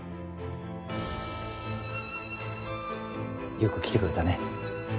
よく来てくれたね。